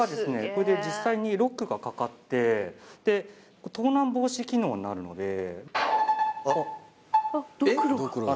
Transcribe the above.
これで実際にロックがかかってで盗難防止機能になるのでえっ？